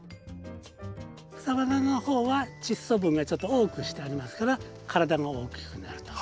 草花の方は窒素分がちょっと多くしてありますから体が大きくなると。